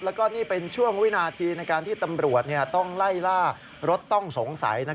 แล้วก็นี่เป็นช่วงวินาทีในการที่ตำรวจต้องไล่ล่ารถต้องสงสัย